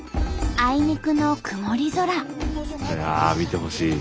あいにくの曇り空。